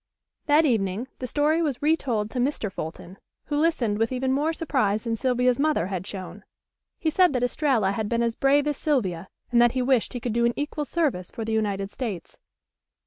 That evening the story was retold to Mr. Fulton, who listened with even more surprise than Sylvia's mother had shown. He said that Estralla had been as brave as Sylvia, and that he wished he could do an equal service for the United States.